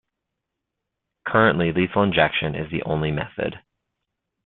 Currently, lethal injection is the only method.